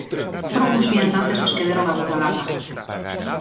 Foron uns viandantes os que deron a voz de alarma.